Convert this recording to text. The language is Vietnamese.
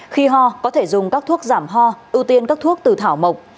khi ho có thể dùng các thuốc giảm ho ưu tiên các thuốc từ thảo mộc